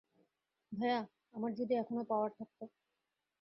ভায়া, আমার যদি এখনও পাওয়ার থাকত!